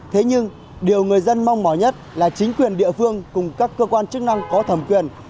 thế nhưng điều người dân mong mỏi nhất là chính quyền địa phương cùng các cơ quan chức năng có thẩm quyền